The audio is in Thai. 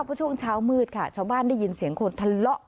เพราะช่วงเช้ามืดค่ะชาวบ้านได้ยินเสียงคนทะเลาะ